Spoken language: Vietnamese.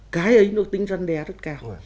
cái ấy nó tính răn đè rất cao